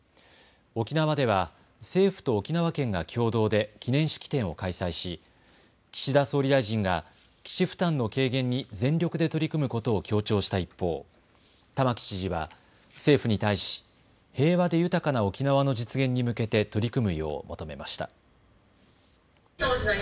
沖縄では政府と沖縄県が共同で記念式典を開催し岸田総理大臣が基地負担の軽減に全力で取り組むことを強調した一方、玉城知事は政府に対し平和で豊かな沖縄の実現に向けて取り組むよう求めました。